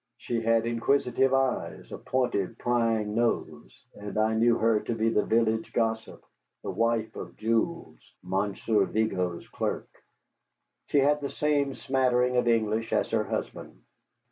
She had inquisitive eyes, a pointed, prying nose, and I knew her to be the village gossip, the wife of Jules, Monsieur Vigo's clerk. She had the same smattering of English as her husband.